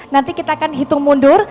nanti kita akan hitung mundur